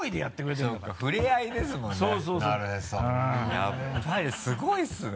やっぱりすごいですね。